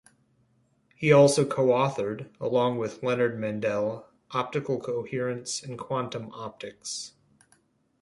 He also co-authored, along with Leonard Mandel, "Optical Coherence and Quantum Optics".